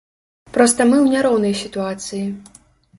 Проста мы ў няроўнай сітуацыі.